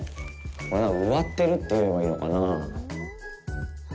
これ植わってると言えばいいのかな。